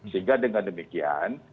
sehingga dengan demikian